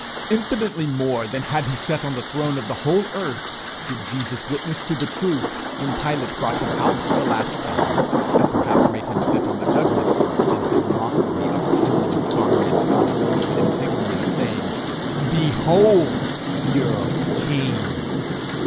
Infinitely more than had he sat on the throne of the whole earth, did Jesus witness to the truth when Pilate brought him out for the last time, and perhaps made him sit on the judgment seat in his mockery of kingly garments and royal insignia, saying, 'Behold your king!'